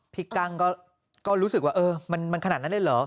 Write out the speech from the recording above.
กั้งก็รู้สึกว่าเออมันขนาดนั้นเลยเหรอ